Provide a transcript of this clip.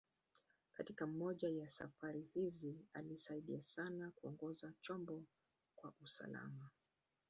Katika moja ya safari hizi, alisaidia sana kuongoza chombo kwa usalama.